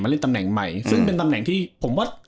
มาเล่นตำแหน่งใหม่